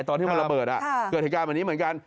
ตอนที่มันระเบิดเกิดเหตุการณ์แบบนี้เหมือนกัน